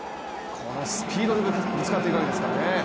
このスピードでぶつかっていくわけですからね。